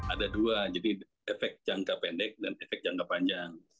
ada dua jadi efek jangka pendek dan efek jangka panjang